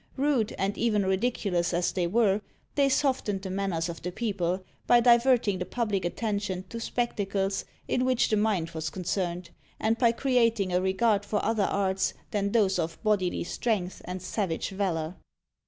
Rude, and even ridiculous as they were, they softened the manners of the people, by diverting the public attention to spectacles in which the mind was concerned, and by creating a regard for other arts than those of bodily strength and savage valour."